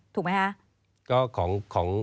ถูกไหมคะ